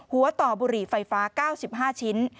ต่อบุหรี่ไฟฟ้า๙๕ชิ้น